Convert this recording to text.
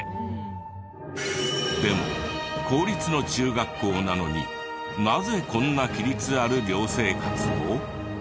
でも公立の中学校なのになぜこんな規律ある寮生活を？